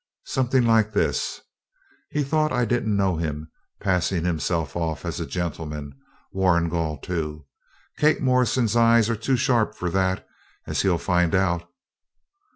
'Something like this: "He thought I didn't know him, passing himself off as a gentleman. Warrigal, too. Kate Morrison's eyes are too sharp for that, as he'll find out."'